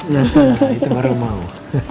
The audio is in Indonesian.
nah itu baru mau